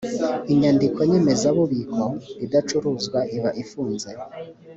inyandiko nyemezabubiko idacuruzwa iba ifunze